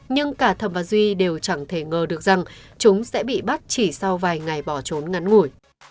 nhưng cả thẩm và duy đều chẳng thể ngờ được rằng chúng sẽ bị bắt chỉ sau vài ngày bỏ trốn ngắn ngủi